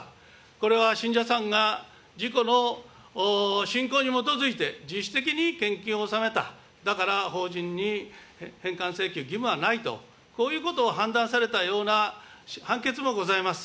これは信者さんが自己の信仰に基づいて、自主的に献金を納めた、だから法人に返還請求義務はないと、こういうことを判断されたような判決もございます。